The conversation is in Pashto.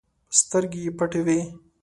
سترګې يې پټې وې.